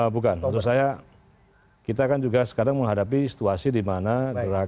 bukan untuk saya kita kan juga sekarang menghadapi situasi di mana gerakan